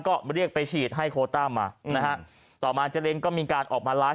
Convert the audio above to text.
ก็เรียกไปฉีดให้โคต้ามานะฮะต่อมาเจรินก็มีการออกมาไลฟ์